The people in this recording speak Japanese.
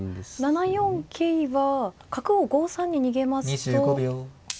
７四桂は角を５三に逃げますと。